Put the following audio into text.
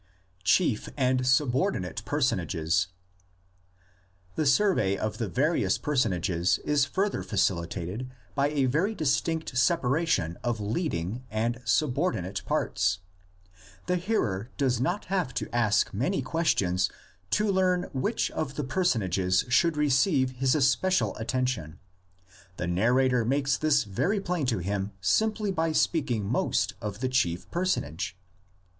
CHIEF AND SUBORDINATE PERSONAGES. The survey of the various personages is further facilitated by a very distinct separation of leading and subordinate parts. The hearer does not have to ask many questions to learn which of the person ages should receive his especial attention; the nar rator makes this very plain to him simply by speaking most of the chief personage.